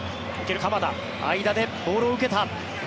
受ける鎌田間でボールを受けた。